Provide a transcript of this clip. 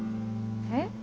えっ？